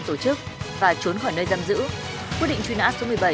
quyết định truy nã số hai mươi một